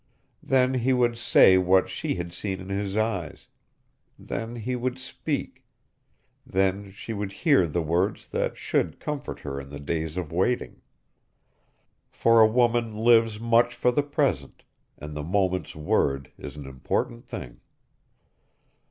Then he would say what she had seen in his eyes; then he would speak; then she would hear the words that should comfort her in the days of waiting. For a woman lives much for the present, and the moment's word is an important thing.